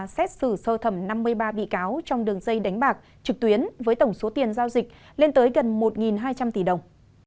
xét xử sơ thẩm năm mươi ba bị cáo trong đường dây đánh bạc trực tuyến với tổng số tiền giao dịch lên tới gần một hai trăm linh tỷ đồng